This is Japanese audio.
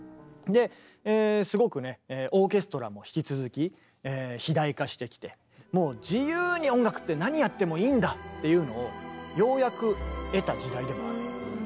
ですごくねオーケストラも引き続き肥大化してきてもう自由に「音楽って何やってもいいんだ！」っていうのをようやく得た時代でもある。